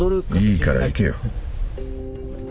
いいから行けよ。